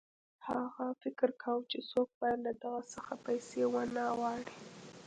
هغه فکر کاوه چې څوک باید له ده څخه پیسې ونه غواړي